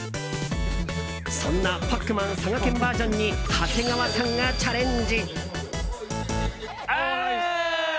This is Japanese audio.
そんな「パックマン佐賀県ｖｅｒ．」に長谷川さんがチャレンジ！